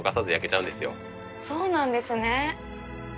そうなんですね。